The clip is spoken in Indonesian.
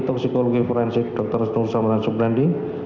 toksikologi forensik dr nusamran subrandi